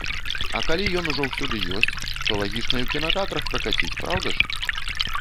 А калі ён ужо ўсюды ёсць, то лагічна і ў кінатэатрах пракаціць, праўда ж?